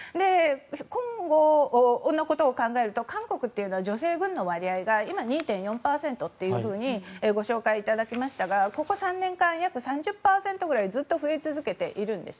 今後のことを考えると韓国というのは女性軍の割合が今、２．４％とご紹介いただきましたがここ３年間、約３０％ぐらいずっと増え続けているんです。